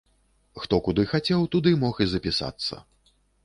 Хто куды хацеў, туды мог і запісацца.